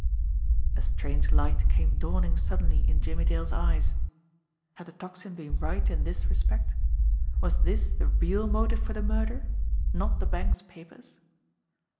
A strange light came dawning suddenly in Jimmie Dale's eyes. Had the Tocsin been right in this respect ? Was this the real motive for the murder not the bank's papers?